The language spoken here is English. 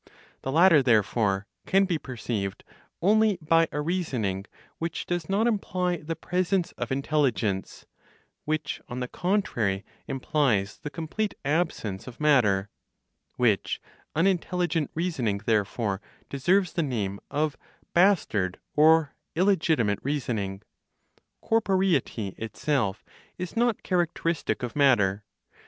The latter therefore can be perceived only by a reasoning which does not imply the presence of intelligence, which, on the contrary, implies the complete absence of matter; which (unintelligent reasoning therefore) deserves the name of "bastard" (or, illegitimate) reasoning. Corporeity itself, is not characteristic of matter.